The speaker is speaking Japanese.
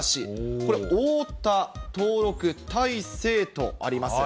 これ、おおた登録大勢とあります。